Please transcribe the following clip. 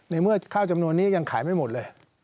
ในเมื่อข้าวจำนวนนี้ยังขายไม่หมดเลย